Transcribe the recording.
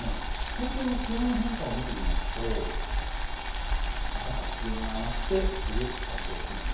東京の気温の変化を見てみますと朝から気温が上がって昼、最高気温２０度。